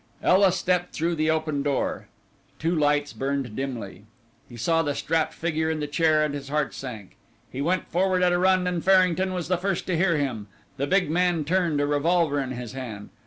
Ela stepped through the open door. Two lights burned dimly; he saw the strapped figure in the chair and his heart sank. He went forward at a run and Farrington was the first to hear him. The big man turned, a revolver in his hand.